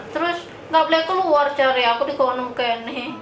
terus nggak boleh keluar cari aku di gowongan kek ini